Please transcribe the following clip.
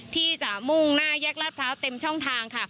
ที่จะมุ่งหน้าแยกลาดพร้าวเต็มช่องทางค่ะ